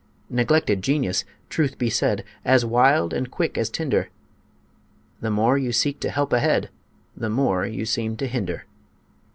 Neglected genius truth be said As wild and quick as tinder, The more you seek to help ahead The more you seem to hinder.